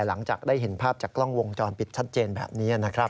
หลังจากได้เห็นภาพจากกล้องวงจรปิดชัดเจนแบบนี้นะครับ